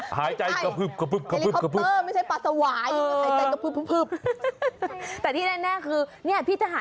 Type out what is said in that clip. หายใจกระพึบ